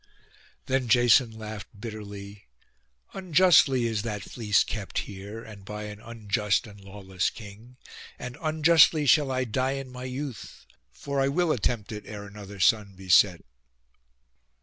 Then Jason laughed bitterly. 'Unjustly is that fleece kept here, and by an unjust and lawless king; and unjustly shall I die in my youth, for I will attempt it ere another sun be set.